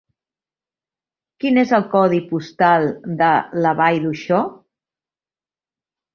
Quin és el codi postal de la Vall d'Uixó?